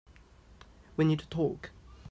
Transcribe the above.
We need to talk.